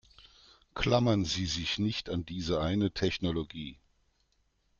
Klammern Sie sich nicht an diese eine Technologie.